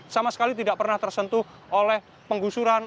sama sekali tidak pernah tersentuh oleh penggusuran